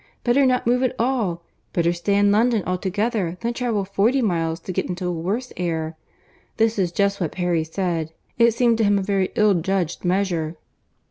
—Better not move at all, better stay in London altogether than travel forty miles to get into a worse air. This is just what Perry said. It seemed to him a very ill judged measure."